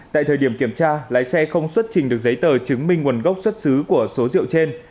tại thời điểm kiểm tra lái xe không xuất trình được giấy tờ chứng minh nguồn gốc xuất xứ của số rượu trên